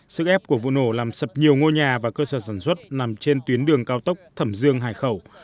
sức ép của vụ nổ làm sập nhiều ngôi nhà và cơ sở sản xuất nằm trên tuyến đường cao tốc thẩm dương hải khẩu